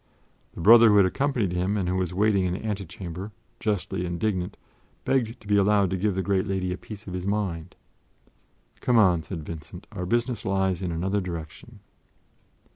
The brother who had accompanied him and who was waiting in the antechamber, justly indignant, begged to be allowed to give the great lady a piece of his mind. "Come on," said Vincent; "our business lies in another direction."